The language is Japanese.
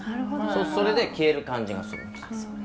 それで消える感じがするんです。